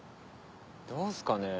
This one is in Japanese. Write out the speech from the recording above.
どうっすかね。